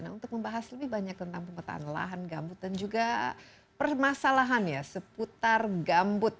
nah untuk membahas lebih banyak tentang pemetaan lahan gambut dan juga permasalahan ya seputar gambut